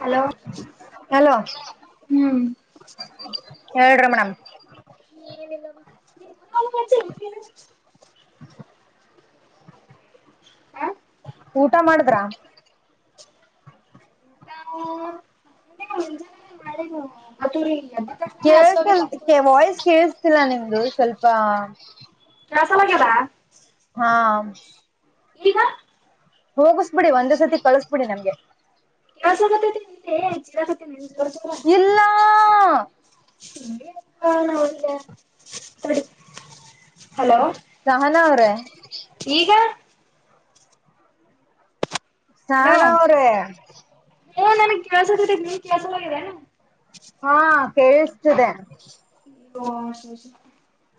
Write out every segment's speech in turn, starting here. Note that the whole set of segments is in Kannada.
ಹಲೋ ಹಲೋ ಹ್ಮ್. [inaudible] [inaudible] [unintelligible] ಊಟ ಮಾಡ ಊಟಾ ಮುಂಜಾನೆ ಮಾಡ ಕೇಳ್ತಿಲ್ಲ ವಾಯ್ಸ್ ಕೇಳಿಸತಿಲ್ಲ ನಿಮ್ದು ಸ್ವಲ್ಪ. ಕೆಲಸ ಹಾ ಈಗ ಹೋಗಸ್ಬಿಡಿ ಒಂದೇ ಸತಿ ಕಳಸ್ಬಿಡಿ ನಮ್ಗೆ. ಕೆಲಸತ್ತೈತಿ ಚೀರಕತ್ತನ ನಿ ಜೋರಾ ಇಲ್ಲ ಹಲೋ ಸಹಾನ ಅವ್ರೇ. ಈಗ ಸಹನಾ ಅವರೇ ಹೇ ನನಗೆ ಕೆಲಸಕ್ಕೆ ಹತ್ತ ನೀನು ಕೇಳ್ಸಲಾಗದೆನು ಹಾ ಕೇಳಿಸತ್ತದೆ. [unintelligible]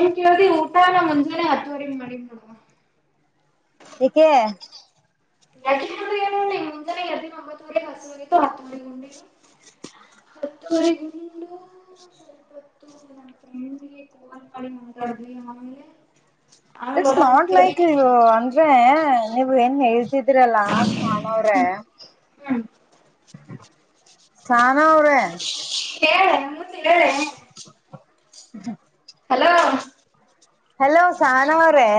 ಏನ್ ಕೇಳ್ದಿ ಊಟ ನ ಮುಂಜಾನೆ ಹತ್ತುವರಿ ಮಾಡಿ ನೋಡುವ. ಏಕೆ. [unintelligible] ಅತ್ತುವರೆಗುಂಡು. [inaudible] ಇಟ್ಸ್ ನಾಟ್ ಲೈಕ್ ಅಂದ್ರೆ ನೀವು ಏನ್ ದ್ರಲ್ಲಾ ಸಹನ ಅವರೇ ಹ್ಮ್. ಸಹನ ಅವರೇ ಹೇಳೇ ಮುಂದೆ ಹೇಳೇ ಹ್ಮ ಹಲೋ ಹಲೋ ಸಹನ ಅವರೇ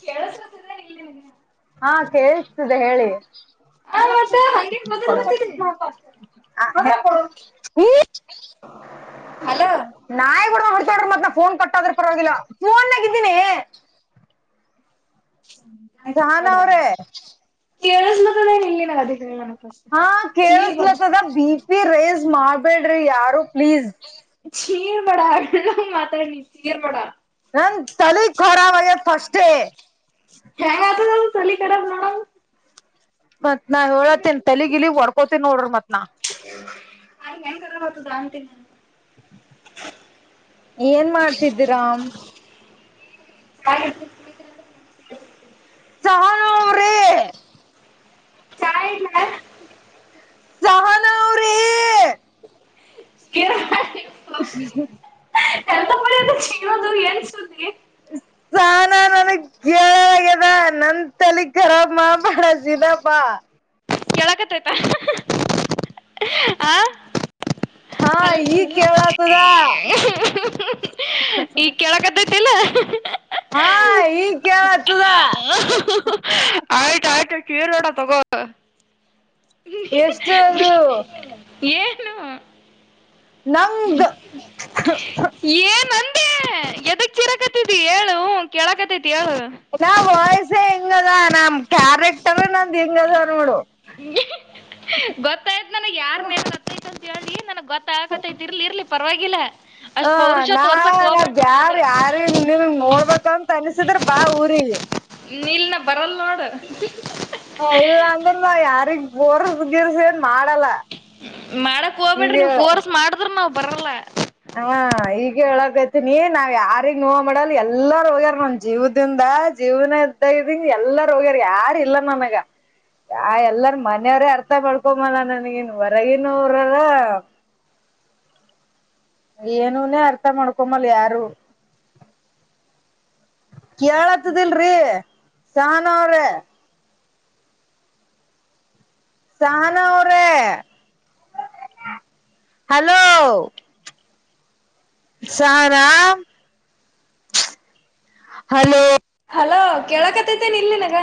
ಕೇಳಿಸುತ್ತದೆಏನಿಲ್ ನಿನಗೆ ಹಾ ಕೇಳಿಸುತ್ತದೆ ಹೇಳಿ ಆ ಹ ಮತ್ತ ಹಂಗೆ ಮೊದಲ್ ಗೊತ್ತಿದೆ [inaudible] ಹಲೋ ನಾಯಿಗೆ ಹೊಡೆದಂಗ್ ಹೊಡಿತೀನಿ ನೋಡ್ರಿ ಮತ್ತೆ ಫೋನ್ ಕಟ್ ಆದ್ರೂ ಪರವಾಗಿಲ್ಲ ನಾಗಿದ್ದೀನಿ ಸಹನ ಅವ್ರೆ ಕೇಳಿಸ್ದದ್ದ ಇಲನಿನಗೆ ಅದೇಳು ಹಾ ಕೇಳಸ್ಲತ್ತದ ಬಿ ಪಿ ರೇಸ್ ಮಾಡ್ಬೇಡ್ರಿ ಯಾರು ಪ್ಲೀಸ್ ಚೀರ್ ಬಡ ಮೆಲ್ಲಗೆ ಮಾತಾಡ್ನಿ ಚೀರ್ ಬಡ ನನ್ನ ತಲೆ ಕರಾಬ್ಆಗೈತ್ ಫಸ್ಟೇ ಹಗೆ ತಲೆ ಕೆಡೋದು ಮತ್ ನಾ ಹೇಳತೇನ್ ತಲಗ್ಗಿಲಿಗ್ ಹುಡುಕೋತೀನಿ ನೋಡ್ರಿ ಮತ್ ನ ಹಾಗ ಹೆಂತರ ಬತದ ಅಂತೀನಿ ನ ಏನ್ ಮಾಡ್ತಿದ್ದಿರಾಮ ಹ ಸಹನ ಅವ್ರಿ ಚಯ ನ ಸಹನ ಅವ್ರಿ ಕ ಹ ಚನ್ನೋದು ಎನ್ ಸುದುದಿಗೆ ಸಹನ [inaudible] ನನಗ್ ಕೇಳ ಆಗ್ಯದ ನನ್ ತಲ್ಲಿ ಕರಾಬ್ ಮಾ ಮಾಡಾಸಿದಪ್ಪಾ ಕೇಳಕತ್ತೈತ ಆ ಹಾ ಈಗ್ ಕೇಳತದ ಈಗ ಕೇಳಕತ್ತೈತಿಲ್ಲ ಹಾ ಈಗ್ ಕೇಳತದ ಡ ತೊಗೋ ಎಷ್ಟ ಅದು ಏನು ನಂಗ ಏಮಂದ ವಿ ಹೇಳು ಕೇಳಕತ ನ ವಾಯ್ಸ ಹೆಗ ಅದ ನಮ್ ಕ್ಯಾರೆಕ್ಟರ್ ನಂದ್ ಹೆಗ ಅದ ನೋಡು ಗೊತ್ತಾಯ್ತ್ ನನಗ್ ಯಾರ್ ಮೇತ್ತ ಗತ್ತ ಆಕತೈತಿ ಇರ್ಲಿ ಇರ್ಲಿ ಪರವಾಗಿಲ್ಲ ಅಷ್ಟ್ ಹ ಪೌರುಷ ನಾ ತೋರ್ಸಕ್ ನಾ ಹೋಗ್ಬೇಡ ನನ್ ಬ್ಯಾರ್ ಎದರ್ ಯಾರ ನಿಮಗ್ ನೋಡ್ಬೇಕಂತ ಅನ್ಸಿದ್ರ ಬಾ ಊರಿಗೆ ನೀಲ್ನ ಬರಲ್ ನೋಡ ಹ ಇಲ್ಲ ಅಂದ್ರೆ ನ ಯಾರಿಗ್ ಬೋರ್ ಗಿರ್ಸನ್ ಮಾಡಕ್ ಹೋಗ್ಬೇಡ್ರಿ ಈಗ ನೀವವು ಫೋರ್ಸ್ ಮಾಡಿದ್ರ ನಾವ್ ಬರಲ್ಲ ಹಾ ಈಗ ಹೇಳಕೈತನಿ ನಾವ್ ಯಾರಿಗ್ ನೋವ ಮಾಡಲ್ಲ ಎಲ್ಲಾರ ಹೋಗ್ಯಾರ ನನ್ ಜೀವದಿಂದ ಜೀವನ ಇದದ್ದ ಇದ್ದಂಗ ಎಲ್ಲಾರ ಹೋಗ್ಯಾರ ಯಾರ ಇಲ್ಲ ನನ್ಗ ಆ ಎಲ್ಲಾರ ಮನೆಯವ್ರೇ ಅರ್ಥ ಮಾಡ್ಕೊಂಬಲ್ಲ ನನ್ಗಿನ್ ಹೊರಗಿನೂರರ ಏನನೇ ಅರ್ಥ ಮಾಡ್ಕೊಮ್ಮಲ್ಲ ಯಾರು ಕೇಳತದಲ್ರಿೀ ಸಾನೋಾರ ಸಹನ ಅವರ ಹಲೋ ಸಾರಾಮ ಹಲೋ ಹಲೋ ಕೇಳಕತತೇನೆ ಇಲ್ಲಿನಗ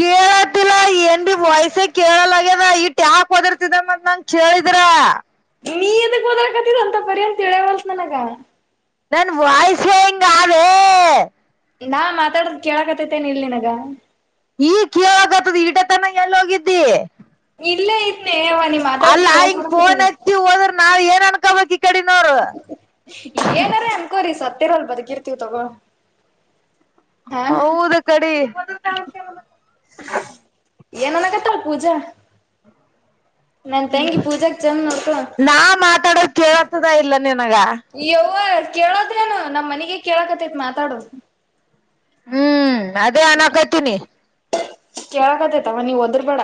ಕೇಳತಿಲ್ಲ ಏನ್ ಬಿ ವಯಸ್ಸೆ ಕೇಳಲಗ್ಯದ ಈ ಟ್ಯಾಕ್ ಹೊದಿರ್ತಿದಂದ ನಂಗ ಕೇಳಿದ್ರ ನೀ ಇದದ ಹೋದಕತ್ತೀರ ಅಂತ ಬರಿ್ಯ ಅಂತ ಹೇಳವಲ್ಸ ನನಗ ನನ್ ವಾಯ್ಸೇ ಹಿಂಗೆ ನಾ ಮಾತಾಡದು ಕೇಳಕತೈತೆೇನ ಇಲ್ ನಿನಗ ಈ ಕೇಳಾಗತ್ತದ ಈಡತನ ಎಲ್ಲ ಹೋಗಿದ್ದಿ ಇಲ್ಲ ಅಲ್ಲಾ ಹಿಂಗ ಫೋನ್ ಹತ್ತಿ ಹೋದ್ರ ನಾವ್ ಏನ್ ಅನ್ಕೊಬ ಏನಾರ ಅನ್ಕೋರಿಿ ಸತ್ತೇರಲ್ ಬದಕಿರ್ತೀವ್ ತಗೋ ಹಾ ಹೌದ ಕಡೆ ಏನನಗತ್ತ ಪೂಜಾ ನನ್ ತಂಗಿ ಪೂಜಾಗ್ ಚಂದ್ ನೋಡ್ಕೊ. ನಾ ಮಾತಾಡೋದ ಕೇಳತದ ಇಲ್ಲ ನನ್ಗ ಯವ ಕೇಳೋದ್ರೇನು ನಮ್ ಮನಗ ಕೇಳಕತ್ತೈತ್ ಮಾತಾಡೋದು ಹ್ಮ್ ಅದೇ ನಾನಕೈತೀನಿ ಕೇಳಕ್ದೇತವ ನೀವ್ ಹದ್ರ ಬೇಡ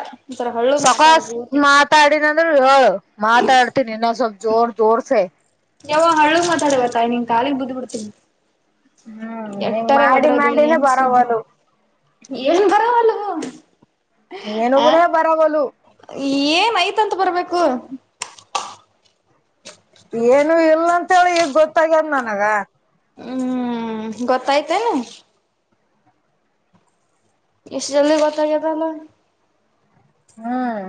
ಸಕಷ್ಟ ಮಾತಾಡಿನಂದ್ರು ಹೇಳಏು ಮಾತಾಡ್ತನಿ ಇನ್ನೊ ಸ್ವಲ್ಪ ಜೋರ ಜೋರಸ ಯಾವೋ ಹಳ್ಳು ಮಾತಾಡವತಾಯ್ ನಿನ್್ ಕಾಲಿಗ್ ಬುದ್ ಬಿಡ್ತೀನಿ ಹ್ಮ್ ಹಿಂಗ್ ಎಟ್ಟಾರೆ ಮಾಡಿ ಹದ್ರದು ಮಾಡಿನೇ ಎನ್ಸುದ ಬರವಲು ಏನ್ ಬರವಲ್ಲ ಏನೊಬ್ಬನ ಬರಬಲು ಏನ್ ಐತಂತ ಬರ್ಬೇಕು ಏನು ಇಲ್ಲ ಅಂತೇಳಿ ಈಗ ಗೊತ್ತಾಗ್ಯದ ನನಗ ಹ್ಮ್ ಗೊತ್ತಾಯ್ತೇನೆ ಇಷ್ಟು ಜಲ್ದಿ ಗೊತಾಗತಲ್ಲ ಹ್ಮ್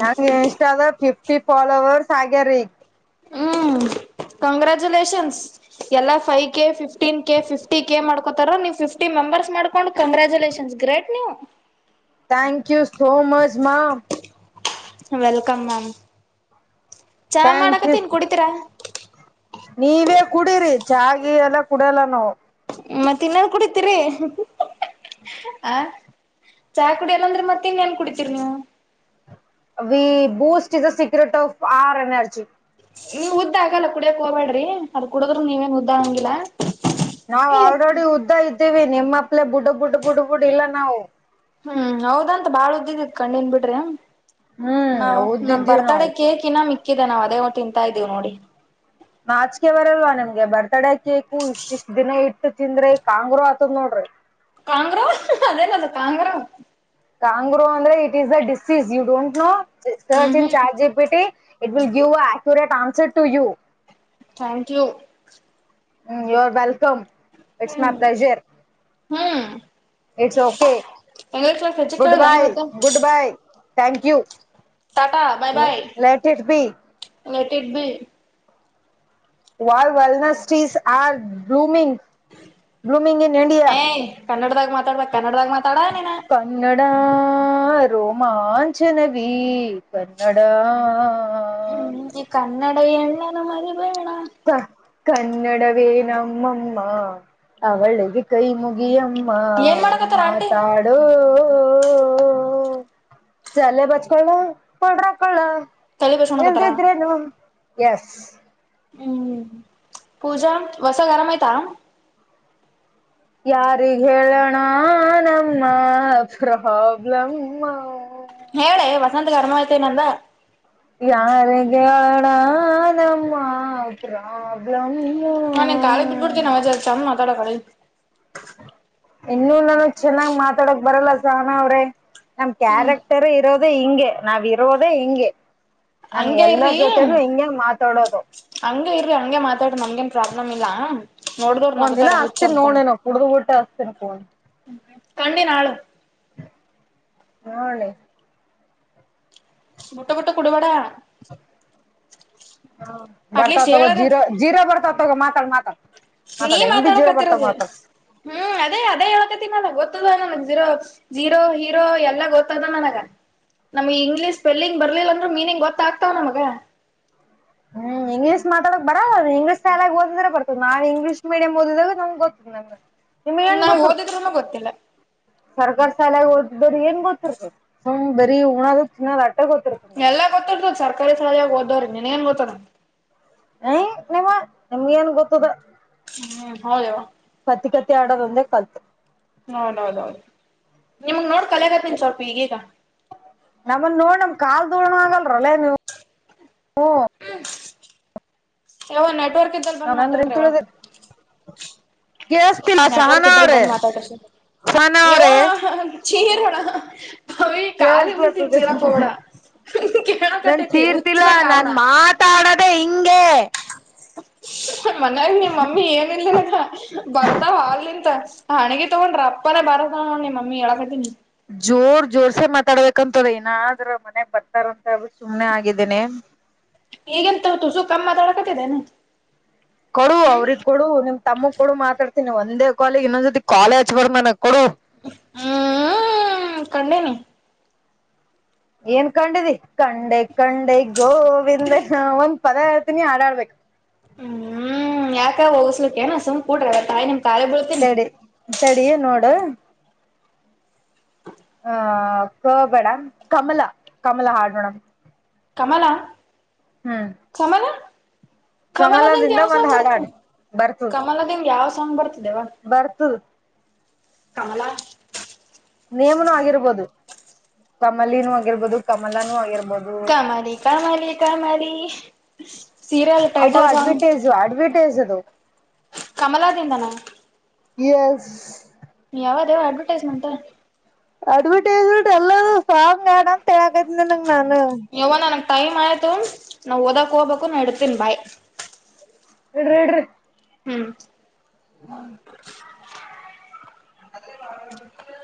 ನಂಗಗೆ ಇನ್ಸ್ಟಾದ ಫಿಫ್ಟಿ ಫಾಲೋವರ್ಸ್ ಆಗ್ಯಾರೀಗ ಹ್ಮ್ ಕಂಗ್ರಾಚುಲೇಷನ್ಸ್ ಎಲ್ಲಾ five K fifteen K fifty K ಮಾಡ್ಕೋತಾರ ನೀವು್ಫ್ಟಿ ಮ ನಂಬರ್ಸ್ ಮಾಡ್ಕೊಂಡು ಕಂಗ್ರಾಚುಲೇಷನ್ ಗ್ರೇಟ್ ನೀವು ಥ್ಯಾಂಕ್ ಯು ಸೋ ಮಚ್ ಮಾ ವೆಲ್ಕಮ ಮ್ಯಾಮ್ ಚಾ ಥ್ಯಾಂಕ್ ಯು ಮಾಡಕತ್ತನ್ ಕುಡಿತೀರಾ ನೀವೇ ಕುಡೀರಿ ಚಾ ಹಾಗ ಎಲ್ಲ ಕುಡಲ್ಲ ನೋವು ಮತ್ತ ಇನ್ನಾದ್ ಕುಡತಿರಿ ಹ ಚಹ ಕುಡಿಯಲ್ಲಂದ್ರೆ ಮತ್ತೆ ಇನ್ ಏನ್ ಕುಡಿತೀರಿ ನೀವು ವಿ Boost is the secret of our energy ನೀ್ ಉದ್ದ ಆಗಲ್ಲ ಕುಡಿಯಕ್ ಹೋಗಬೇಡ್ರಿ ಅದ ಕುಡುದ್ರೂ ನೀವೇನ್ ಉದ್ದ ಹಂಗಿಲ್ಲಾ ನಾವ್ ಆಲ್ರೆಡಿ ಉದ್ದ ಇದ್ದೀವಿ ನಿಮ್ಮಪ್ಲೆೇ ಬುಡ್ ಬುಡ್ ಬುಡ್ ಬುಡ್ ಇಲ್ಲ ನಾವು ಹ್ಮ್ ಹೌದಂತ ಬಾಳ ಉದ್ದಿದಿತ್ ಕಣ್ಣನ್ ಬಿಡ್ರಿ ಹ್ಮ್ ನಾವವು ನಮ ಉದ್ದಿದ್ದೀವಿ ಬರ್ತಡ ನಾವು. ಕೇಕ್ ಇನ್ನ ಮಿಕ್ಕಿದೆ ನಾವವು ಅದೇ ತಿಂತಾ ಇದ್ದೀವಿ ನೋಡಿ ನಾಚಕೆ ಬರಲ್ವಾ ನಮ್ಗೆ ಬರ್ತಡೇ ಕೇಕು ಇಷ್ಟ ಇಷ್ಟ ದಿನ ಇಟ್ಟು ತಿಂದ್ರಿ ಕಾಂಗ್ರರು ಆತದ್ ನೋಡ್ರಿ ಕಾಂಗ್ರ ಅದೇನಲ್ಲ ಕಾಂಗ್ರಾ ಕಾಂಗ್ರೋ ಅಂದ್ರೆ it is the disease you don't know ಸ ಹ್ಮ್ ಚನ್ ಹ್ಮ್ chat G P T it will give a accurate answer to you thank you hmm you are welcome it's my pleasure hmm it's K English class ಹೆಚ್ಚ ಗುಡ್ ಕೇಳ್ದ ಬೈ ನೀವತ್ತು good bye thank you Tata bye bye let it be let it be ವಲ್ ವೆಲ್ನಸ್ಟೀಸ್ are blooming blooming in India. ಏಯ ಕನ್ನಡದಾಗ ಮಾತಾಡ್ಬ ಕನ್ನಡ್ದಾಗ ಮಾತಾಡ ನೀನ ರೋಮಾಂಚನವಿ ಕನ್ನಡ ಹ್ಮ್ ಕನ್ನಡ ಹೆಣ್ಣನ್ನು ಮರೀಬೇಡಿ ಹ ಕನ್ನಡವೇ ನಮ್ಮಮ್ಮ ಅವಳಿಗೆ ಕೈ ಮುಗಿಯಮ್ಮ ಏನ್ ಮಾಡಕತ್ತಾರ ಆಂಟಿ ಮಾತಾಡು ತಲೆ ಬಚಕೊಳ್ಳೋ ಪೌಡರ್ ಹಾಕೊಳ್ಳೋ ತಲಿ ಇಲ್ಲದಿ ಬಸ್ಕೊಣಕತ್ತಾರ ದದ್ರೇನು ಎಸ್ ಹ್ಮ್ ಪೂಜಾ ಹೊಸ ಗರಾಮಯತ ಯಾರಿಗ್ ಹೇಳೋಣ ನಮ್ಮ ಪ್ರಾಬ್ಲಮ್ಮ ನನ್ನಂದ ಗರ್ಮ ಆಐತೆ ನಂದ ಯಾರಗಿ ಹೇಳನ ನಮ್ಮಮ್ಮ ಪ್ರಾಬ್ಲಂ ಹಾ ನಿನ್ ಕಾಲಿ ಗಿ ಬಿಟ್ಬಿಡ್ತೀನ ನಮ್ಮಜಾ ಇತಾಮ ಮಾತಾಡೋ ಕಳ ಇನ್ನುೂ ನಾನು ಚೆನ್ನಾಗ್ ಮಾತಾಡಕ್ ಬರಲ್ಲ ಸಾಹಾನಅವ್ರೆ ನಮ ಕ್ಯಾರೆಕ್ಟರ್ ಇರೋದು ಹಿಂಗೆ ನಾವ್ ಇರೋದೇ ಹಿಂಗೆ ನಾನ್ ಹಂಗಗೆ ಎಲ್ಲರ ಇರ್ರಿ ಜೊತೆನೂ ಹಿಂಗೆ ಮಾತಾಡೋದು ಹಂಗ ಇರ್ರಿ ಹಂಗೆ ಮಾತಾಡ ನಂಂಗಗೆ ಪ್ರಾಬ್ಲಮ್ ಇಲ್ಲಾ ಒಂದ್ ದಿನ ಹಸ್ತಿನನ್ ನೋಡೇನ ಕುಡ್ದ್ ಊಟ್ಟೆ ಹಸ್ತಿನ ಕ ಕಂಡೀನನಾಳು ನೋಡ ನೀ ಮುಟ್ಟ ಮುಟ್ಟ ಕುಡಿಬಡೆೆಯಣ ಬರ್ತಾವ ತಗೋ ಜೀರೋ ಜೀರೋ ಬರ್ತಾವ ತಗೋ ಮಾತಾಡ ಮಾತಾಡ್ ನೀ ಮಾತಾಡ್ ಹೆಂಗ್ ಬಿ ಜೀರೋ ಬರ್ತಾವ ಮಾತಾಡಕತ್ತರೋದು ಮಾತಾಡ್ ಹ್ಮ್ ಅದೇ ಅದೇ ಹೇಳೇಕತಿಿನದ ಗೊತ್ತದ ನನಗ ಜೀರೋ ಜೀರೋ ಹೀರೋ ಎಲ್ಲ ಗೊತ್ತದ ನನಗ ನಮ್ಗೆ ಇಂಗ್ಲೀಷ್ ಸ್ಪೆಲ್ಲಿಂಗ್ ಬರ್ಲಿಲ್ಲ ಅಂದ್ರರು ಮೀನಿಂಗ್ ಗೊತ್ತಾಗ್ತಾವ ನಮಗ ಹ್ಮ್ ಇಂಗ್ಲೀಷ್ತಾಡಕ್ ಬರ ಇಂಗ್ಲಷ್ ಎಾಲಾಗ ಓದಿದ್ರೆ ಬರ್ತದ ನಾವ್ ಇಂಗ್ಲಷ ಮೀಡಿಯಂ ಓದಿದಾಗ ನಮ್ ಗೊತ್ತದ್ ನಮ್ ಹ್ಮ ನಾ್ ಓದಿದ್ರೂ ಗೊತ್ತಿಲ್ಲ ಸರ್ಕ ಶಾಲಾಗ ಓದ್ರ ಏನ್ ಗೊತ್ತತೆ ಸಮ್ ಬರೀ ಉಣದ ಚನ್ನದ್ ಆಟ್ಟ ಗೊತ್ತ ಎಲ್ಲಾ ಗೊತ್ತಿರ್ತದ್ ಸರ್ಕಾರಿ ಶಾಲಳೆಯಾಗ ಓದವ್ರಿ ನಿನ್ ಏನ್ ಗೊತ್ತ ನ ಏಯ ನಿಮ್ಮ ನಿಮ್ಗ ಏನ್ ಗೊತ್ತದ ಹ್ಮ್ ಹೌದ ಕತ್ತಿ ಕತ್ತಿ ಆಡೋದುಂದ ಕಲ್ತ್ ಹೌದೌದೌದು ನಿಮಗ್ ನೋಡ್ ಕಲೆಯಗತನ್ ಸ್ವಲ್ಪ ಈಗೀಗ ನಮ್ಮನ್ ನೋಡ್ ನಮ ಕಾಲ್ ದೋಡಣ ಆಗಲ್ರಲ್ಲೇ ನೀವು ಹ ಯಾವ ನೆಟ್ವರ್ಕ್ ಇದ್ದಲ್ಲಿ ಬಂದು ನಾನಂದ್ರ ಇನ್ ಮಾತಾಡ್ರಿವ ತುಳಿದ ಕೇಳಸ್ತಿಲ್ಲ ನೆಟ್ವರ್ಕ್ ಸಹನಾ ಇದ್ದಲ್ಲಿ ಅವ್ರೇ ಬಂದ್ ಮಾತಾಡ್ಷ್ಟ ಸಹನಾ ನೀವು ಚೀರೋಣ ಕೆಸಲ ತ ನನ್ ಕೇಳಕತೈತಿ ಚೀರ್ತಿಲ್ಲ ಹುಚ್ಚನಂಗ ಆವಣ ನಾನ್ ಮಾತಾಡದೆ ಹಿಂಂಗಗೆ ಮನಾಗ ನಿಮ್ಮ ಮಮ್ಮಿ ಏನಲ್ಿಲ್ಲ ಬರ್ತಾವ ಅಲ್ಲಿಂತ ಹಣೆಗೆ ತಗೊಂಡ್ರಿ ಅಪ್ಪಲ್ಲ ಬರದ ನೋಡ್ ನಿ ಮಮ್ಮಿ ಎಳಕತೀನಿ ಜೋರ್ ಜೋರ್ಸೆ ಮಾತಾಡ್ಬೇಕಂತ್ರ ಇಏನಾದ್ರ ಮನೆಗ್ ಬರ್ತಾರಂತರು ಸುಮ್ನೆ ಆಗಿದ್ದೇನನೆ ಈಗೆಂತ ತು ಸು ಕಮ್ಮ ಮಾತಾಳ ಕತಿದ್ದೇನೆ ಕೊಡು ಅವ್ರಗ್ ಕೊಡು ನಿಮ್ ತಮ್ಮಗ್ ಕೊಡು ಮಾತಾಡ್ತೀನಿ ಒಂದೇ ಕಾಲಗ್ ಇನ್ನೊಂದ್ೊತಿ ಕಾಲೇಜ್ ಬರ್ ಮನಕ್ ಹ್ಮ ಕಂಡನೆ ಏನ್ ಕಂಡಿದಿ ಕಂಡೆ ಕಂಡೆ ಗೋವಿಂದ ನ ಒ ಪದ ಹಳ್ತೀನಿ ಆಡಾಡ್ಬೇಕು ಹ್ಮ್ ಯಾಕ ಹೋಗಸ್ಲಿಕ್ಕೆಏನ ಸುಮ್ ಕೂಟ್ರ ತಾಯಿ ನಿಮ ಖಾಲ ಬೀಳ್ತೇನಿ ತಡ ನೋಡು ಹಹ ಕಬೇಡ ಕಮಲ ಕಮಲ ಹಾಡೋೇಣ ಕಮಲ ಕಮಲ ಕಮಲದಂಗ ಕಮಲದಿಂದ ಯಾವ ಒಂದ್ ಸಾಂಗ್ ಹಾಡಾಡ್ ಬರ್ತದೆ ಬರ್ತದ ಕಮಲದಂಗ ಯಾವ ಸಾಂಗ್ ಬರ್ತಿದೆವ ವರ್ತ ಕಮಲ ನೇಮ್ನು ಆಗಿರ್ಬೋದು ಕಮಲಿನ ಆಗಿರ್ಬೋದು ಕಮಲನುೂ ಆಗಿರ್ಬೋದು ಕಾಮಾಲ ಕಾಮಾಲ ಕಾಮಾರಿ ಅದು ಅಡ್ವಟೈಸ್ ಅಡ್ವಟೈಸ್ ಅದು ಕಮಲಾದಿಂದನ ಎಸ್ ಯಾವ್ದ ಯಾವ ಅಡ್ವರ್ಟೈಸ್ಮೆಂಟ್ ಅಡ್ವೈಸ್ಂಟ್ ಎಲ್ಲ ಸಾಂಗ್ ಆಡಗ ಯಾವನ ನನಗ್ ಟೈಮ್ ಆಯ್ತು ನಾವ್ ಓದಕ್ ಹೋಗ್ಬೇಕು ಇಡ್ತೀನ್ ಬಾಯ್ ಇಡ್ರಿ ಇಡ್ರಿ ಹ್ಮ್ [unintelligible]